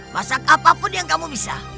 masak apa pun yang kamu bisa